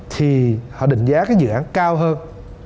thì họ định giá cái dự án cao hơn